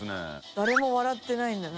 誰も笑ってないんだな。